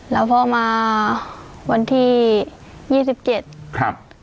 แล้วพ่อมาวันที่๒๗ครับ